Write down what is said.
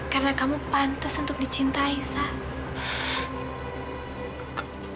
karena kamu pantas untuk dicintai saad